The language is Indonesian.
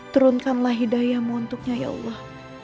turunkanlah hidayahmu untuknya ya allah